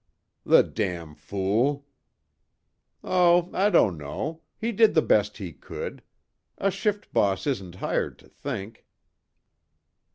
"The damn fool!" "Oh, I don't know. He did the best he could. A shift boss isn't hired to think."